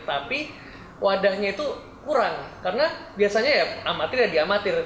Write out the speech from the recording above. tapi wadahnya itu kurang karena biasanya amatir jadi amatir